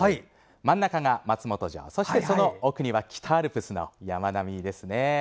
真ん中が松本城そして、その奥には北アルプスの山並みですね。